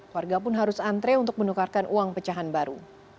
warga pun harus antre untuk menukarkan uang pecahan baru